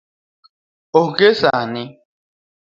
Onge sani